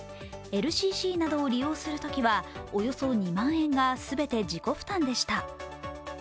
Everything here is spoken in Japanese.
ＬＣＣなどを利用するときは、およそ２万円が全て自己負担でした。